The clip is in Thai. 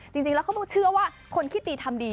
จริงแล้วเขาต้องเชื่อว่าคนคิดดีทำดี